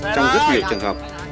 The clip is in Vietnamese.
trong rất nhiều trường hợp